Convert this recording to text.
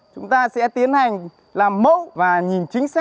lắng là cái này nó sẽ bị đứt